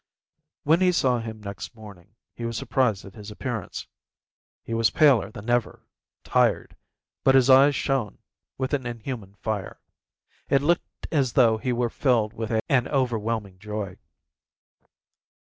When he saw him next morning he was surprised at his appearance. He was paler than ever, tired, but his eyes shone with an inhuman fire. It looked as though he were filled with an overwhelming joy.